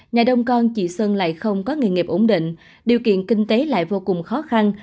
nhà đông con chị sơn lại không có nghề nghiệp ổn định điều kiện kinh tế lại vô cùng khó khăn